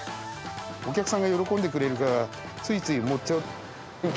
お客さんが喜んでくれるから、ついつい盛っちゃう。